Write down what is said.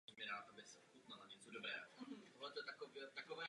Óčko Expres zatím vysílá zkušebně živě na internetu.